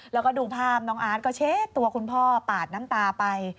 แล้วก็ดูภาพน้องอาร์ตก็เช็ดตัวคุณพ่อปาดน้ำตาไป